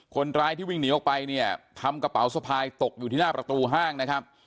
คนร้ายที่วิ่งหนีออกไปเนี่ยทำกระเป๋าสะพายตกอยู่ที่หน้าประตูห้างนะครับ